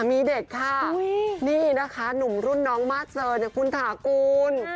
มีเด็กค่ะนี่นะคะหนุ่มรุ่นน้องมาสเซอร์เนี่ยคุณถากูล